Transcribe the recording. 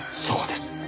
そこです。